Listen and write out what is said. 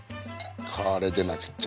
これでなくっちゃ。